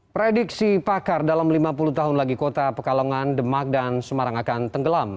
prediksi pakar dalam lima puluh tahun lagi kota pekalongan demak dan semarang akan tenggelam